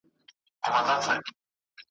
په دې چرت کي وو چي دا به څه بلا وي `